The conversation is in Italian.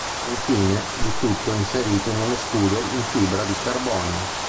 Infine, il tutto è inserito in uno scudo in fibra di carbonio.